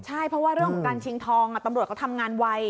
ใช่เพราะว่าเรื่องของการชิงทองตำรวจเขาทำงานไว